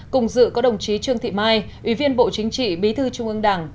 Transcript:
cùng dự có đồng chí trương thị mai ủy viên bộ chính trị bí thư trung ương đảng